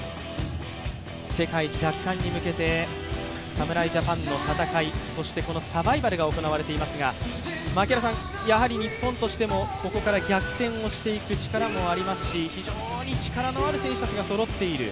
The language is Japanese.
世界一奪還に向けて侍ジャパンの戦い、そしてサバイバルが行われていますが、やはり日本としても、ここから逆転をしていく力もありますし非常に力のある選手たちがそろっている。